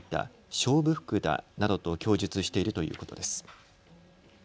勝負服だなどと供述しているということです。